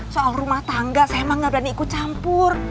soal rumah tangga saya emang gak berani ikut campur